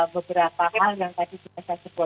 beberapa hal yang tadi kita sebutkan